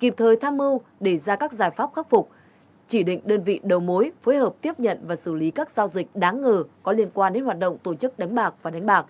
kịp thời tham mưu để ra các giải pháp khắc phục chỉ định đơn vị đầu mối phối hợp tiếp nhận và xử lý các giao dịch đáng ngờ có liên quan đến hoạt động tổ chức đánh bạc và đánh bạc